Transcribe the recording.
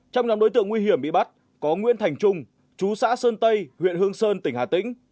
trong nhóm đối tượng nguy hiểm bị bắt có nguyễn thành trung chú xã sơn tây huyện hương sơn tỉnh hà tĩnh